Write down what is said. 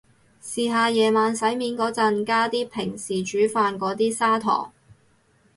試下夜晚洗面個陣加啲平時煮飯個啲砂糖